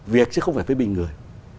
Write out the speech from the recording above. việc chứ không phải phê bình người